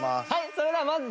それではまず。